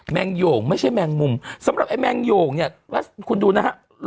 งโยงไม่ใช่แมงมุมสำหรับไอ้แมงโยงเนี่ยแล้วคุณดูนะฮะ